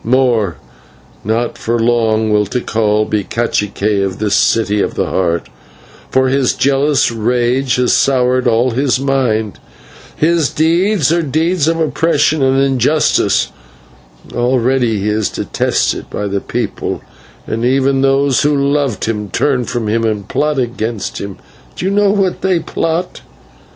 More not for long will Tikal be /cacique/ of the City of the Heart, for his jealous rage has soured all his mind; his deeds are deeds of oppression and injustice; already he is detested by the people, and even those who loved him turn from him and plot against him. Do you know what they plot?